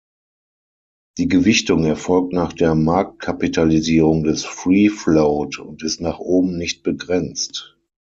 Die Gewichtung erfolgt nach der Marktkapitalisierung des Free-Float und ist nach oben nicht begrenzt.